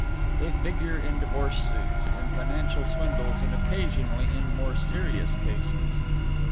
They figure in divorce suits, in financial swindles and occasionally in more serious cases.